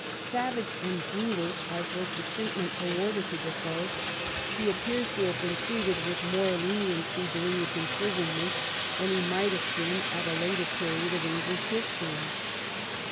'^ Savage and brutal as was the treatment awarded to Defoe, he appears to have been treated with more leniency dur ing his imprisonment than he might have been at a later period of English history.